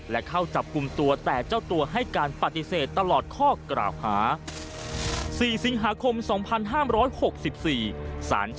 และเข้าจับกลุ่มตัวแต่เจ้าตัวให้การปฏิเสธตลอดข้อกล่าวหา